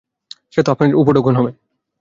সে আপনার জন্য উপঢৌকন হবে।